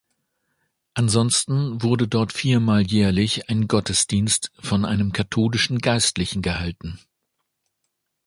Ansonsten wurde dort viermal jährlich ein Gottesdienst von einem katholischen Geistlichen gehalten.